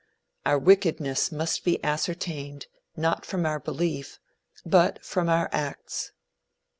Our wickedness must be ascertained not from our belief but from our acts.